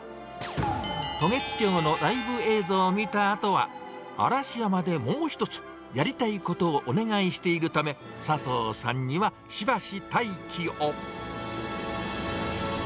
渡月橋のライブ映像を見たあとは、嵐山でもう一つ、やりたいことをお願いしているため、佐藤さんにはしばし待機を。